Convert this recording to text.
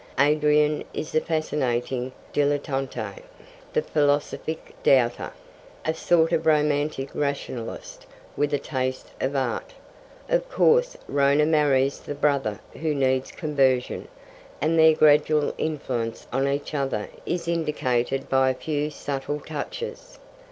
Adrian is the fascinating dilettante, the philosophic doubter, a sort of romantic rationalist with a taste for art. Of course, Rhona marries the brother who needs conversion, and their gradual influence on each other is indicated by a few subtle touches.